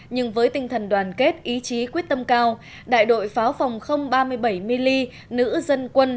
nhưng với tinh thần đoàn kết ý chí quyết tâm cao đại đội pháo phòng ba mươi bảy mily nữ dân quân